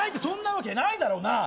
そんなわけないだろ！